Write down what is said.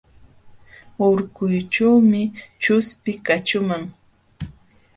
Urkuućhuumi chuspi kaćhuuman.